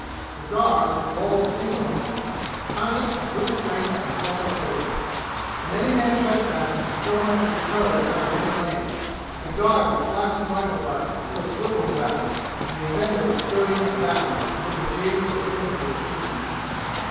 The guards lolled insolently, conscious of brute strength and special favor. When any man trespassed with so much as a toe beyond the ring of lamps, a guard would slap his rifle butt until the swivels rattled and the offender would scurry into bounds amid the jeers of any who had seen.